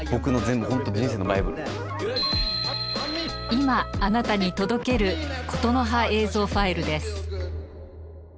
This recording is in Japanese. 今あなたに届ける「言の葉映像ファイル」です。